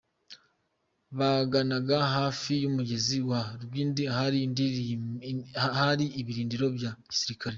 Baganaga hafi y’umugezi wa Rwindi ahari ibirindiro bya gisirikare.